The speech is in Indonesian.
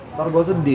ntar gua sedih